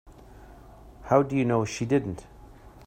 How do you know she didn't?